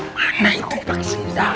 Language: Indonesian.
mana itu dipake sendal